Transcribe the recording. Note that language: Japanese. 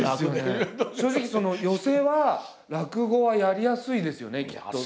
正直寄席は落語はやりやすいですよねきっと。